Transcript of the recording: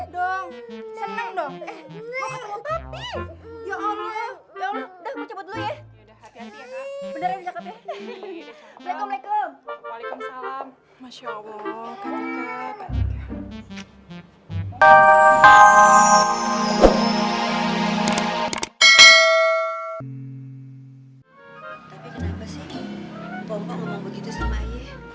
dong seneng dong tapi ya udah udah aku coba dulu ya bener bener ya